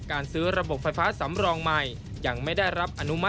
การซื้อระบบไฟฟ้าสำรองใหม่